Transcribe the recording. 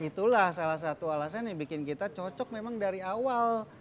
itulah salah satu alasan yang bikin kita cocok memang dari awal